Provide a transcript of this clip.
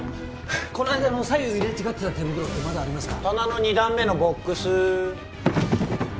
この間の左右入れ違ってた手袋ってまだありますか棚の２段目のボックス